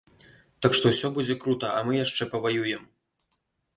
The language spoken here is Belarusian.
Так што ўсё будзе крута, а мы яшчэ паваюем!